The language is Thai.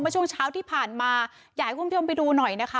ช่วงเช้าที่ผ่านมาอยากให้คุณผู้ชมไปดูหน่อยนะคะ